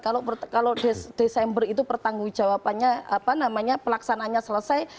kalau desember itu pelaksananya selesai